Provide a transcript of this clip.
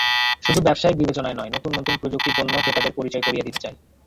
শুধু ব্যবসায়িক বিবেচনায় নয়, নতুন নতুন প্রযুক্তিপণ্যও ক্রেতাদের পরিচয় করিয়ে দিতে চাই।